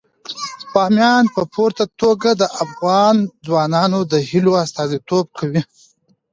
بامیان په پوره توګه د افغان ځوانانو د هیلو استازیتوب کوي.